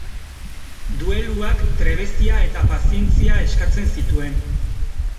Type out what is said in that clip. Dueluak trebezia eta pazientzia eskatzen zituen.